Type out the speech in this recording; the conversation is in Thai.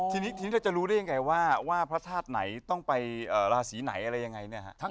ทีนี้จะรู้ได้ยังไงว่าพระธาตุไหนต้องไปราศีไหนอะไรยังไง